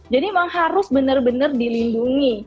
jadi memang harus benar benar dilindungi